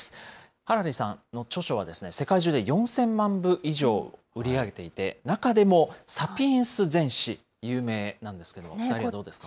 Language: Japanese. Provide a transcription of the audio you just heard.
ハラリさんの著書は世界中で４０００万部以上売り上げていて、中でも、サピエンス全史、有名なんですけど、お２人どうですか。